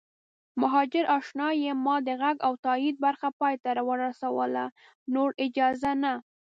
مهاجراشنا یم ما د غږ او تایید برخه پای ته ورسوله نور اجازه نه